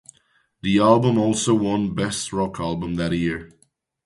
The album also won Best Rock Album that year.